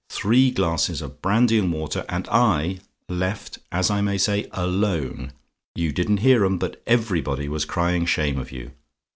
Three glasses of brandy and water, and I left as I may say alone! You didn't hear 'em, but everybody was crying shame of you.